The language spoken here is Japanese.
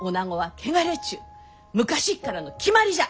昔っからの決まりじゃ！